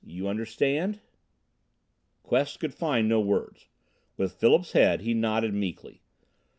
You understand?" Quest could find no words. With Philip's head he nodded meekly.